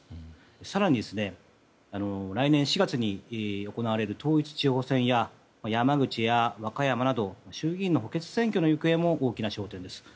更に、来年４月に行われる統一地方選や山口や和歌山など衆議院の補欠選挙の行方も大きな焦点です。